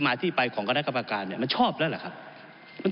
ตามข้อ๑๒ที่คณะกรรมการคัดเลือกตามมาตรา๓๖เนี่ย